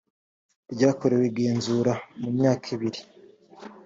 ryakorewe igenzura mu myaka ibiri